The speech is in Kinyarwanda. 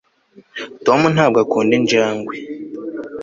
tom ntabwo akunda injangwe